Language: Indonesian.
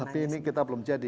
tapi ini kita belum jadi